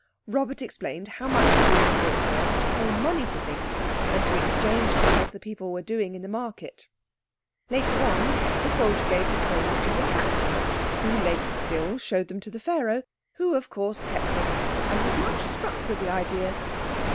Robert explained how much simpler it was to pay money for things than to exchange them as the people were doing in the market. Later on the soldier gave the coins to his captain, who, later still, showed them to Pharaoh, who of course kept them and was much struck with the idea.